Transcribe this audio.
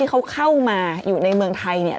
เขาเข้ามาอยู่ในเมืองไทย